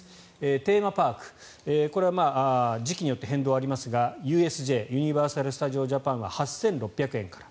テーマパーク、これは時期によって変動ありますがユニバーサル・スタジオ・ジャパンは８６００円から。